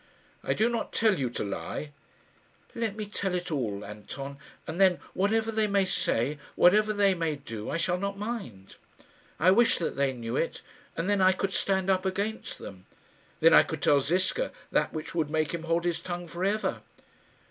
"I do not tell you to lie." "Let me tell it all. Anton, and then, whatever they may say, whatever they may do, I shall not mind. I wish that they knew it, and then I could stand up against them. Then I could tell Ziska that which would make him hold his tongue for ever."